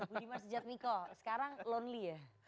budiman sujadmiko sekarang lonely ya